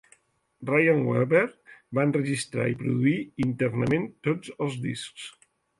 Ryan Weber va enregistrar i produir internament tots els discs.